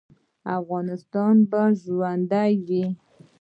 افغانستان به ژوندی وي